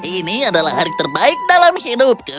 ini adalah hari terbaik dalam hidupku